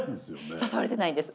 誘われてないんです。